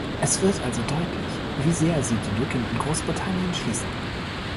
Es wird also deutlich, wie sehr sie die Lücken in Großbritannien schließen.